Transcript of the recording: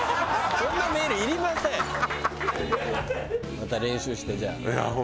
また練習してじゃあ。